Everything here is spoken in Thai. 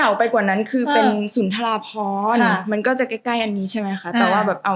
แล้วก็ไม่ก่อนก็เป็นสุนธรพรมันก็จะใกล้อันนี้ใช่มั้ยคะ